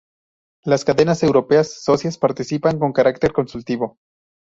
Las cadenas europeas socias participan con carácter consultivo.